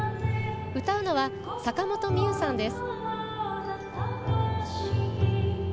歌うのは坂本美雨さんです。